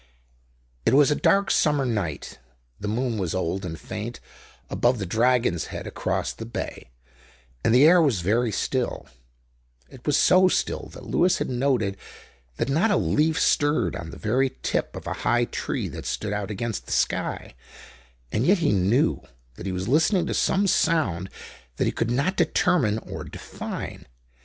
It was a dark summer night. The moon was old and faint, above the Dragon's Head across the bay, and the air was very still. It was so still that Lewis had noted that not a leaf stirred on the very tip of a high tree that stood out against the sky; and yet he knew that he was listening to some sound that he could not determine or define.